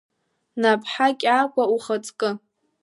Наԥҳа Кьагәа ухаҵкы!